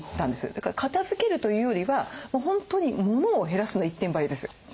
だから片づけるというよりは本当にモノを減らすの一点張りです。